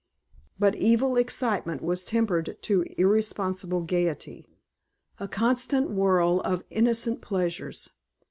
But evil excitement was tempered to irresponsible gaiety, a constant whirl of innocent pleasures.